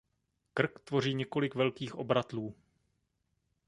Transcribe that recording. Krk tvoří několik velkých obratlů.